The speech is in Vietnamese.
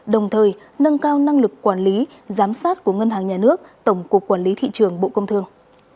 đồng thời nâng cao năng lực quản lý giám sát của ngân hàng nhà nước tổng cục quản lý thị trường bộ công thương